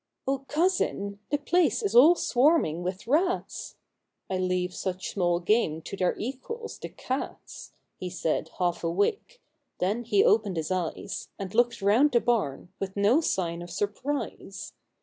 "0, Cousin ! the place is all swarming with rats;" " I leave such small game to their equals, the cats," He said, half awake ; then he opened his eyes And looked round the barn with no sign of sur prise.